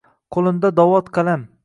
Qo’linda dovot qalam